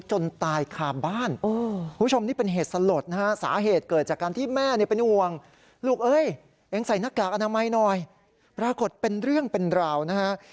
หากอนามัยหน่อยปรากฏเป็นเรื่องเป็นราวนะครับ